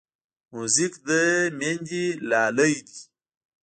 موزیک د میندې لالې دی.